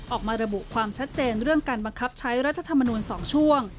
ออกมาระบุความชัดเจนเรื่องการบังคับใช้รัฐธรรมนูล๒ช่วง